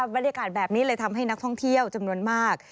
บรรยากาศแบบนี้เลยทำให้นักท่องเที่ยวจำนวนมาก